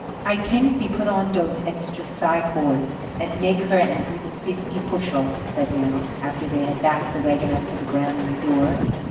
"Ay tank ve put on dose extra side poards and make her an even fifty pushel," said Nels, after they had backed the wagon up to the granary door.